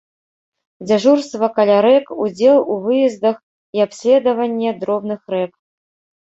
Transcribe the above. Дзяжурства каля рэк, удзел у выездах і абследаванне дробных рэк.